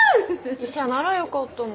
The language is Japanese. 医者ならよかったのに。